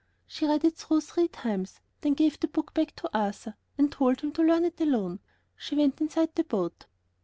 She read it through three times, then gave the book back to Arthur and told him to learn it alone. She went inside the boat.